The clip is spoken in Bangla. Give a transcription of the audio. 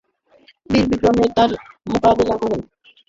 বীরবিক্রমে তার মোকাবিলা করেন।